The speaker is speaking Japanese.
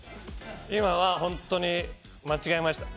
今は本当に間違えました。